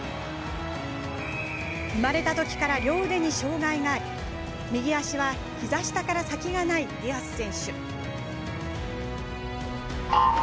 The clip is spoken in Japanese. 生まれたときから両腕に障がいがあり右足はひざ下から先がないディアス選手。